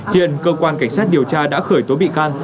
hiện cơ quan cảnh sát điều tra đã khởi tố bị can